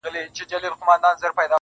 نور به وه ميني ته شعرونه ليكلو.